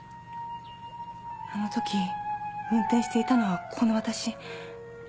あの時運転していたのはこの私。